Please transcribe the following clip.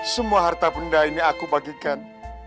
semua harta benda ini aku bagikan